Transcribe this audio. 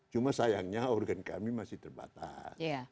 cuma sayangnya organ kami masih terbatas